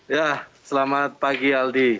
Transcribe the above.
ya selamat pagi aldi